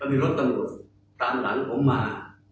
มีรถตำรวจตามหลังผมมา